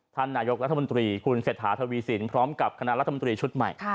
ท่านนายกรัฐมนตรีคุณเศรษฐาทวีสินพร้อมกับคณะรัฐมนตรีชุดใหม่